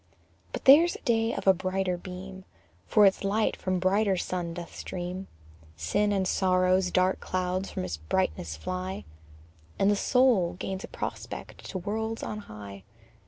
But there's a day of a brighter beam, For its light from a brighter sun doth stream: Sin and sorrow's dark clouds from its brightness fly And the soul gains a prospect to worlds on high.